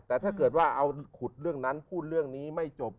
แต่ถ้าเกิดว่าเอาขุดเรื่องนั้นพูดเรื่องนี้ไม่จบ